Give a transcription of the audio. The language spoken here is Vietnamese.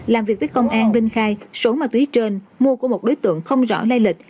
làm việc với công an vinh khai số ma túy trên mua của một đối tượng không rõ lây lịch